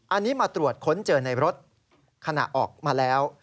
อันนี้มาตรวจค้นเจอในรถขณะออกมาแล้ว